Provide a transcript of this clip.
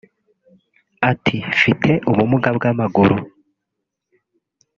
Ati “Mfite ubumuga bw’amaguru